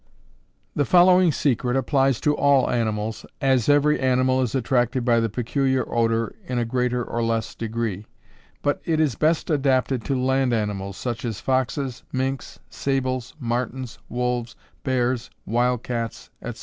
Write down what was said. The following secret applies to all animals, as every animal is attracted by the peculiar odor in a greater or less degree; but it is best adapted to land animals, such as Foxes, Minks, Sables, Martins, Wolves, Bears, Wild Cats, &c.